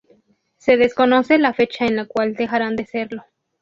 Se desconoce la fecha en la cual dejarán de serlo.